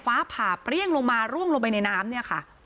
ฟ้าผ่าเปรี้ยงลงมาร่วงลงไปในน้ำเนี่ยค่ะ